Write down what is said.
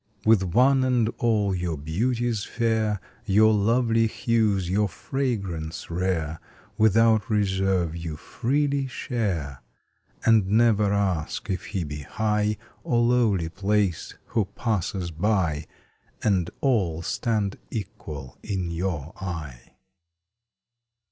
With one and all your beauties fair, Your lovely hues, your fragrance rare, Without reserve you freely share, And never ask if he be high, Or lowly placed, who passes by, And all stand equal in your eye.